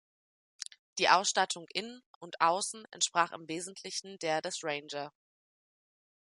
Die Ausstattung innen und außen entsprach im Wesentlichen der des Ranger.